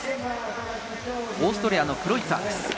オーストリアのクロイツァーです。